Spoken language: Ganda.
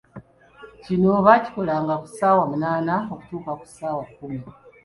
Kino baakikolanga ku ssaawa munaana okutuuka ku ssaawa kkumi.